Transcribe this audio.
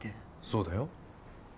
そうだよ。